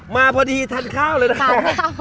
มาพอดีทานข้าวเลยนะครับ